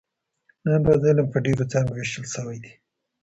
نن ورځ علم په ډېرو څانګو ویشل شوی دی.